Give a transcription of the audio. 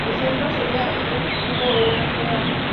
Ejemplos serían un cubo o una esfera.